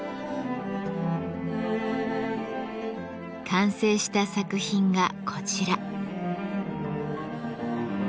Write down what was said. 完成した作品がこちら。